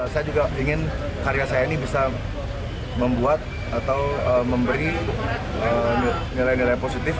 saya juga ingin karya saya ini bisa membuat atau memberi nilai nilai positif